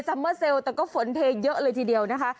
เมอร์เซลล์แต่ก็ฝนเทเยอะเลยทีเดียวนะคะ